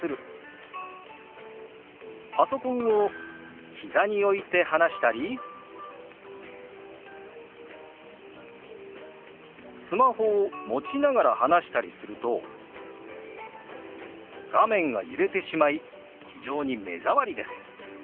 パソコンを膝に置いて話したりスマホを持ちながら話したりすると画面が揺れてしまい非常に目障りです。